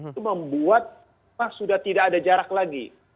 itu membuat sudah tidak ada jarak lagi